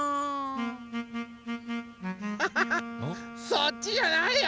そっちじゃないよ。